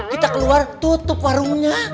kita keluar tutup warungnya